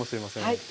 はい。